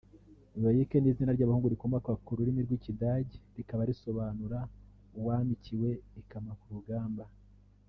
Loic ni izina ry’abahungu rikomoka ku rurimi rw’Ikidage rikaba risobanura “uwamikiwe ikama ku rugamba”